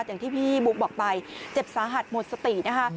อย่างที่พี่บุ๊คบอกไปเจ็บสาหัสหมดสตินะคะ